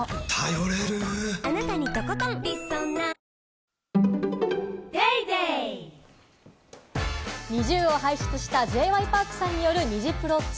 「ビオレ」ＮｉｚｉＵを輩出したＪ．Ｙ．Ｐａｒｋさんによるニジプロ２。